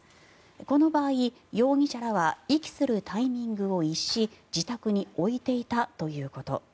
この場合、容疑者らは遺棄するタイミングを逸し自宅に置いていたということ。